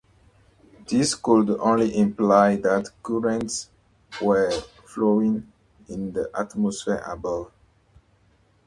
This could only imply that currents were flowing in the atmosphere above.